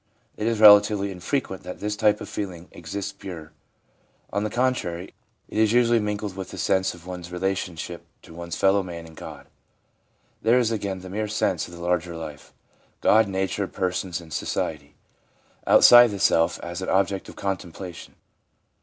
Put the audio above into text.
It is relatively infrequent that this type of feeling exists pure ; on the contrary, it is 324 ADULT LIFE—RELIGIOUS FEELINGS 325 usually mingled with the sense of one's relationship to one's fellow man and God. There is again the mere sense of the larger life — God, Nature, persons and society — outside the self as an object of contemplation.